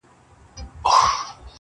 توره پټه کړه نیام کي وار د میني دی راغلی